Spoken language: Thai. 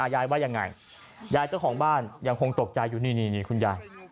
ยายว่ายังไงยายเจ้าของบ้านยังคงตกใจอยู่นี่คุณยาย